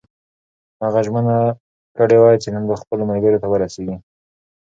هغه ژمنه کړې وه چې نن به خپلو ملګرو ته ورسېږي.